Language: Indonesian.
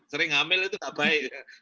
sering hamil itu tidak baik